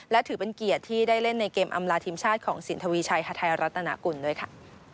และถือเป็นเกียรติที่ได้เล่นในเกมอำลาทีมชาติของสินทวีชัยฮาไทยรัฐนากุลด้วยค่ะ